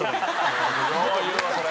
よう言うわそれ。